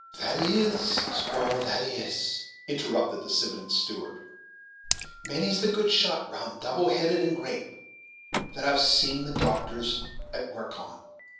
"That he is, squire, that he is," interrupted the cidevant steward; "many's the good shot, round, double headed, and grape, that I've seen the doctors at work on.